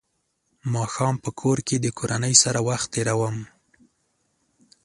ماښام په کور کې د کورنۍ سره وخت تېروم.